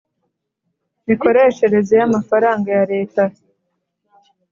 mikoreshereze y amafaranga ya Leta